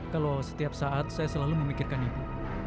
kalau setiap saat saya selalu memikirkan ibu